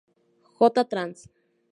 J. Trans.